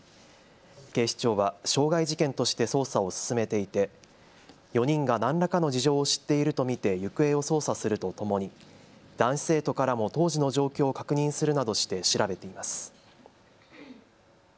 警視庁は傷害事件として捜査を進めていて４人が何らかの事情を知っていると見て行方を捜査するとともに男子生徒からも当時の状況を確認するなどして調べています。